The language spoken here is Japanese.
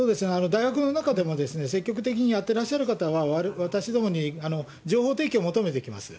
大学の中でも、積極的にやってらっしゃる方は、私どもに情報提供を求めてきます。